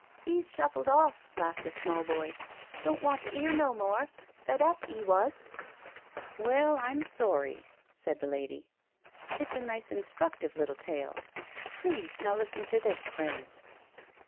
•.•"" 'E's shuffled of!," laughed a small boy; "don't want to 'ear no more — fed up, 'e wasl" " Well, I'm sorry," said the lady; " it's a nice, in structive little tale. Please now listen to this, friends.